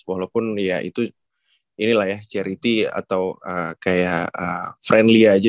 walaupun ya itu inilah ya charity atau kayak friendly aja